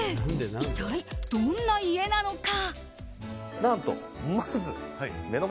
一体どんな家なのか。